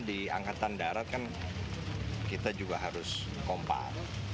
di angkatan darat kan kita juga harus kompak